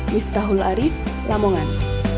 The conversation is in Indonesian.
miftahul arief lamongan